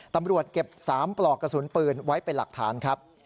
ตำรวจเก็บ๓ปลอกกระสุนปืนไว้เป็นหลักฐานครับ